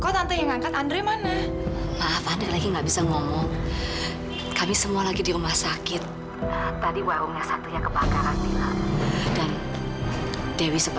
sampai jumpa di video selanjutnya